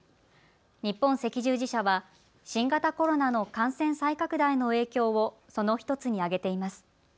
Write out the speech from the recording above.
日本赤十字社は新型コロナの感染再拡大の影響をその１つに挙げています。